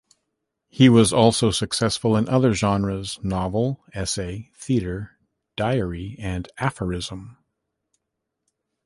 He was also successful in other genres: novel, essay, theater, diary and aphorism.